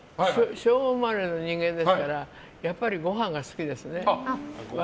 昭和生まれの人間ですからやっぱりごはんが好きですね。